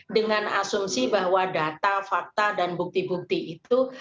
dengan asumsi bahwa data fakta dan bukti bukti itu